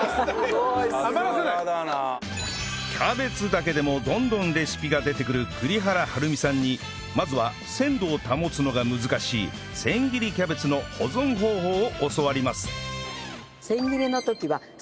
キャベツだけでもどんどんレシピが出てくる栗原はるみさんにまずは鮮度を保つのが難しい千切りキャベツの保存方法を教わります